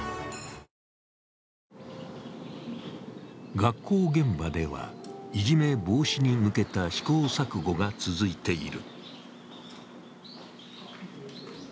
学校現場では、いじめ防止に向けた試行錯誤が続いている。